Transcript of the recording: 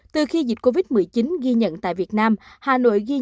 từ khi dịch covid một mươi chín ghi nhận tại việt nam hà nội thở máy không xâm lấn